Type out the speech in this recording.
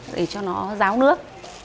để cho nó ráo nước